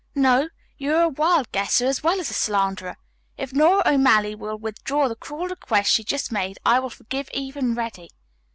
"No; you are a wild guesser as well as a slanderer. If Nora O'Malley will withdraw the cruel request she just made I will forgive even Reddy."